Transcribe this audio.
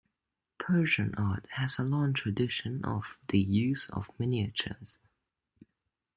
Persian art has a long tradition of the use of miniatures.